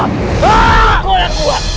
pukul aku wak